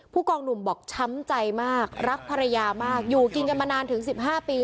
กองหนุ่มบอกช้ำใจมากรักภรรยามากอยู่กินกันมานานถึง๑๕ปี